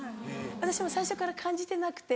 私も最初から感じてなくて。